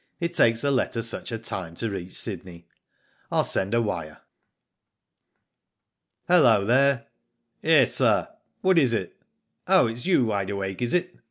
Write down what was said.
It takes a letter such a time to reach Sydney. Fll send a wire." "Hallo there!" " Yes, sir, what is it ?" "Oh, it's you, Wide Awake, is it?"